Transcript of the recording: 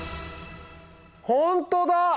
ほんとだ！